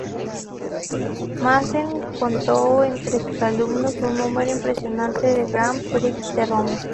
Massenet contó entre sus alumnos un número impresionante de Grand prix de Roma.